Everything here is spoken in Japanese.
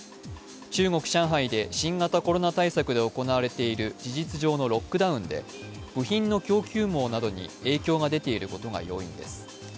中国・上海で新型コロナ対策で行われている事実上のロックダウンで部品の供給網などに影響が出ていることが要因です。